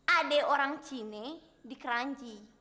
adek orang cine di keranji